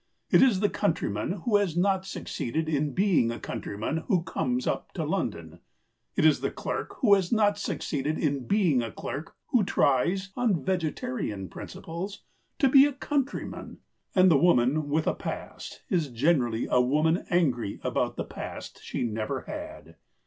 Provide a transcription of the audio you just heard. It is the countryman who has not succeeded in being a countryman who comes up to London. It is the clerk who has not succeeded in being a clerk who tries (on vegetarian principles) to be a countryman. And the woman with a past is generally a woman angry about the past she never had.